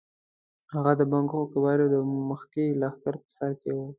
هغه د بنګښو قبایلو د مخکښ لښکر په سر کې وو.